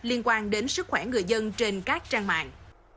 liên quan đến sức khỏe người dân trên các trang mạng